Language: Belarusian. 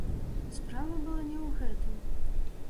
Справа была не ў гэтым.